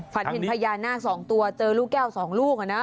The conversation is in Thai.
ฝันเป็นพญานาคสองตัวเจอลูกแก้วสองลูกอะนะ